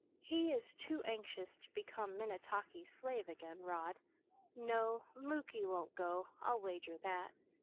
"He is too anxious to become Minnetaki's slave again, Rod. No, Muky won't go, I'll wager that.